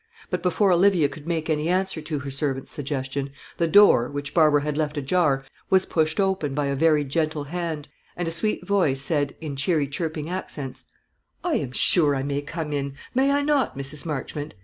But before Olivia could make any answer to her servant's suggestion, the door, which Barbara had left ajar, was pushed open by a very gentle hand, and a sweet voice said, in cheery chirping accents, "I am sure I may come in; may I not, Mrs. Marchmont?